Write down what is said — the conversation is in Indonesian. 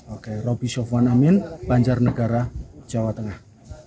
oke roby sofwan amin banjarnegara jawa tengah